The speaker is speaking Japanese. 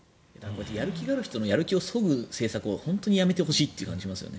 やる気がある人のやる気をそぐ政策は本当にやめてほしいと思いますね。